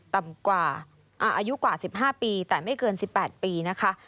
ต่ำกว่าอายุกว่า๑๕ปีแต่ไม่เกิน๑๘ปีนะคะ